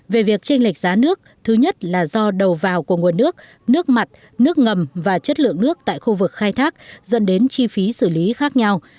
về việc tranh lệch giá nước thứ nhất là do đầu vào của nguồn nước nước mặt nước ngầm và chất lượng nước tại khu vực khai thác dẫn đến chi phí xử lý khác nhau